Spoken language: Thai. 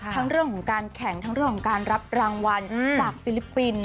เรื่องของการแข่งทั้งเรื่องของการรับรางวัลจากฟิลิปปินส์